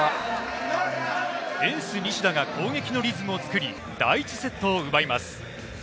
エース・西田が攻撃のリズムをつくり第１セットを奪います。